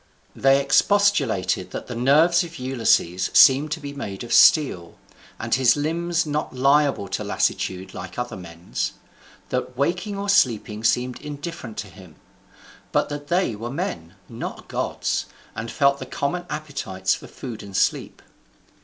They expostulated that the nerves of Ulysses seemed to be made of steel, and his limbs not liable to lassitude like other men's; that waking or sleeping seemed indifferent to him; but that they were men, not gods, and felt the common appetites for food and sleep.